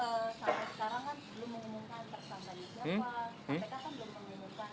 pak kpk kan belum mengumumkan